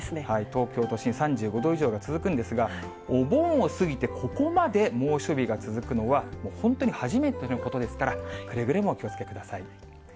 東京都心３５度以上が続くんですが、お盆を過ぎて、ここまで猛暑日が続くのは、本当に初めてのことですから、くれぐれもお気をつけください。